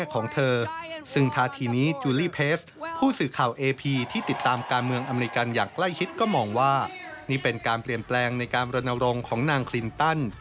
การรนาวรงค์ของนางคลินตัน